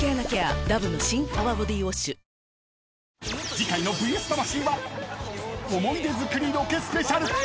［次回の『ＶＳ魂』は思い出づくりロケスペシャル］